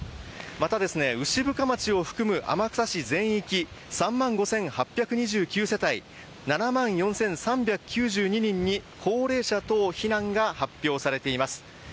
また、牛深町を含む天草市全域３万５８２９世帯７万４３９２人に高齢者等避難が発表されています。